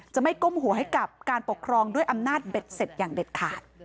จะไม่ก้มหัวให้กับการปกครองด้วยอำนาจเบ็ดเสร็จอย่างเด็ดขาด